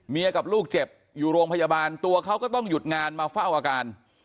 กับลูกเจ็บอยู่โรงพยาบาลตัวเขาก็ต้องหยุดงานมาเฝ้าอาการ